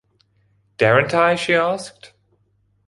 “Daren’t I?” she asked.